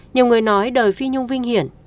nhiều người nói đời phi nhung vinh hiển